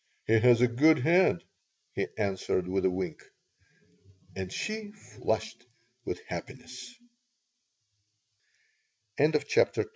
He has a good head," he answered, with a wink. And she flushed with happiness CHAPTER III THE t